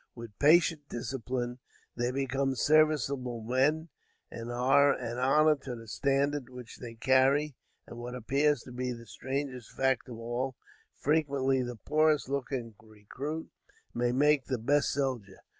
With patient discipline, they become serviceable men, and are an honor to the standard which they carry; and, what appears to be the strangest fact of all, frequently the poorest looking recruit may make the best soldier.